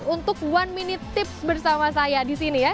untuk one minute tips bersama saya di sini ya